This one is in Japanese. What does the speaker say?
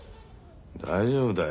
大丈夫だよ。